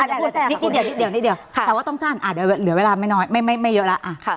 เดี๋ยวแต่ว่าต้องสั้นเดี๋ยวเหลือเวลาไม่เยอะแล้ว